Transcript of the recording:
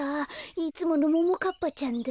いつものももかっぱちゃんだ。